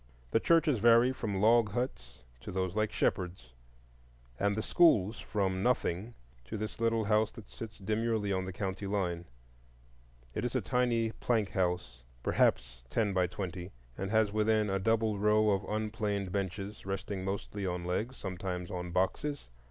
The churches vary from log huts to those like Shepherd's, and the schools from nothing to this little house that sits demurely on the county line. It is a tiny plank house, perhaps ten by twenty, and has within a double row of rough unplaned benches, resting mostly on legs, sometimes on boxes.